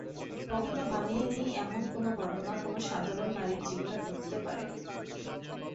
কখনো ভাবিনি এমন ঘটনা কোন সাধারণ নারীর জীবনে ঘটতে পারে।